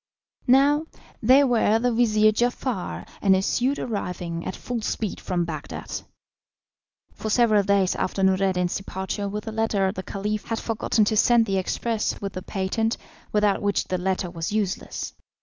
Now, they were the vizir Giafar and his suite arriving at full speed from Bagdad. For several days after Noureddin's departure with the letter the Caliph had forgotten to send the express with the patent, without which the letter was useless.